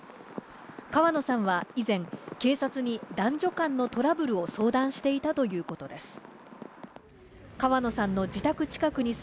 川野さんは以前、警察に男女間のトラブルを相談していたということです。